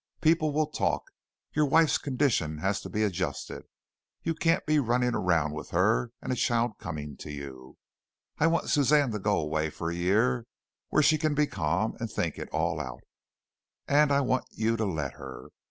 People will talk. Your wife's condition has to be adjusted. You can't be running around with her and a child coming to you. I want Suzanne to go away for a year where she can be calm and think it all out, and I want you to let her.